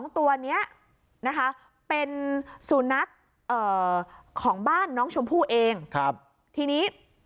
ตัวนี้นะคะเป็นสุนัขของบ้านน้องชมพู่เองทีนี้